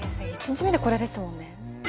１日目でこれですもんね